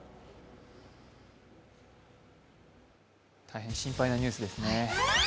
大変心配なニュースですね。